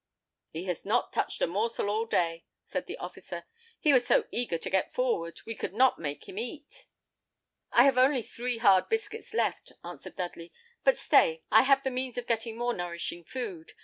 "He has not touched a morsel all day," said the officer. "He was so eager to get forward, we could not make him eat." "I have only three hard biscuits left," answered Dudley; "but stay, I have the means of getting more nourishing food.